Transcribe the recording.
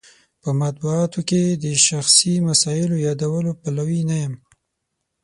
په مطبوعاتو کې د شخصي مسایلو یادولو پلوی نه یم.